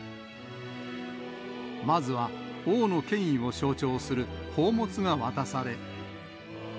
まずは王の権威を象徴する宝物が渡され。